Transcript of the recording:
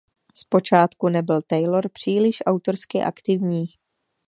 Z počátku nebyl Taylor příliš autorsky aktivní.